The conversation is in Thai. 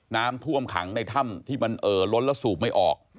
น้ำท่วมขังในถ้ำที่มันเอ่อล้นแล้วสูบไม่ออก